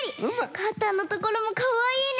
かたのところもかわいいね！